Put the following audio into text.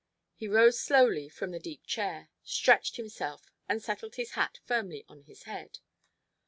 He rose slowly from the deep chair, stretched himself, and settled his hat firmly on his head.